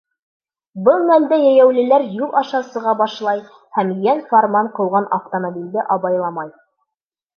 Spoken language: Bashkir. Был мәлдә йәйәүлеләр юл аша сыға башлай һәм йән-фарман ҡыуған автомобилде абайламай.